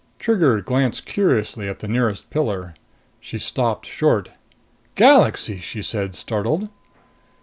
Trigger glanced curiously at the nearest pillar. She stopped short. "Galaxy!" she said, startled.